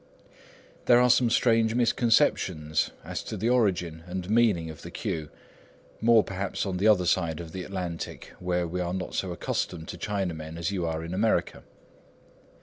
There are some strange misconceptions as to the origin and meaning of the queue, more perhaps on the other side of the Atlantic, where we are not so accustomed to Chinamen as you are in America.